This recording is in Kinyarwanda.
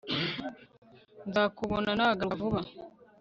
nzakubona nagaruka vuba